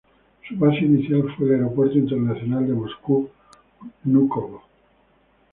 Su base inicial fue el Aeropuerto Internacional de Moscú-Vnúkovo.